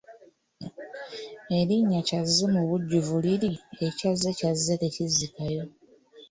Erinnya Kyazze mu bujjuvu liri Ekyazze kyazze tekizzikayo.